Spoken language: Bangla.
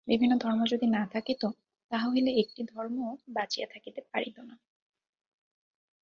বিভিন্ন ধর্ম যদি না থাকিত, তাহা হইলে একটি ধর্মও বাঁচিয়া থাকিতে পারিত না।